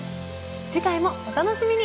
次回もお楽しみに。